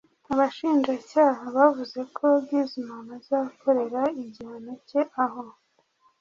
Abashinjacyaha bavuze ko Guzman azakorera igihano cye aho